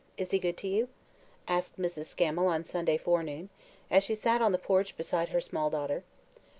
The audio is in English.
Is he good to you?" asked Mrs. Scammel on Sunday forenoon, as she sat on the porch beside her small daughter.